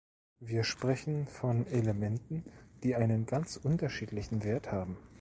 Wir sprechen von Elementen, die einen ganz unterschiedlichen Wert haben.